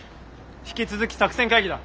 引き続き作戦会議だ！